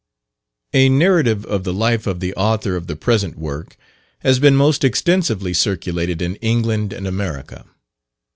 A narrative of the life of the author of the present work has been most extensively circulated in England and America.